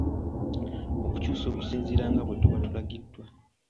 Okukyusa okusinziira nga bwe tuba tulagiddwa.